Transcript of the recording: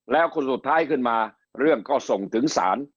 แล้วคนสุดท้ายขึ้นมาเรื่องก็ส่งถึงศาล